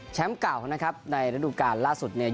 เก่านะครับในระดูการล่าสุดเนี่ย